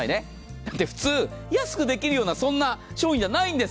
だって普通、安くできるような商品ではないんです。